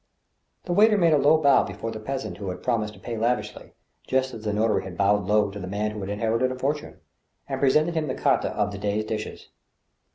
The waiter made a low bow before the peasant who had prom ised to pay lavishly — ^just as the notary had bowed low to the man who had inherited a fortune — and presented him the carte of the day's dishes.